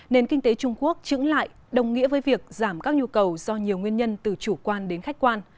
nền kinh tế trung quốc chững lại đồng nghĩa với việc giảm các nhu cầu do nhiều nguyên nhân từ chủ quan đến khách quan